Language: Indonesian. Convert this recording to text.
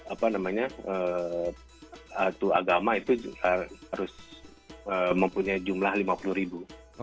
apa namanya satu agama itu harus mempunyai jumlah lima puluh ribu